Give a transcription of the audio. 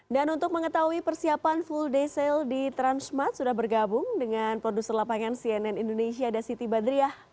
dan untuk mengetahui persiapan full day sale di transmart sudah bergabung dengan produser lapangan cnn indonesia ada siti badriah